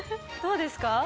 どうですか？